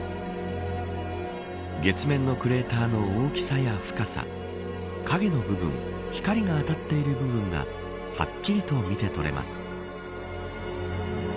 月面のクレーターの大きさや深さ影の部分光が当たっている部分がはっきりと見て取れます。